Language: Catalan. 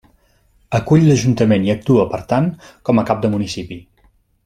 Acull l'ajuntament i actua, per tant, com a cap de municipi.